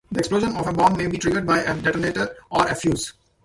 The explosion of a bomb may be triggered by a detonator or a fuse.